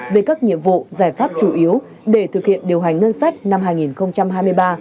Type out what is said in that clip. về các nhiệm vụ giải pháp chủ yếu để thực hiện điều hành ngân sách năm hai nghìn hai mươi ba